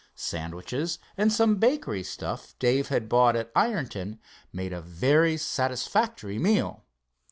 Sandwiches and some bakery stuff Dave had bought at Ironton made a very satisfactory meal.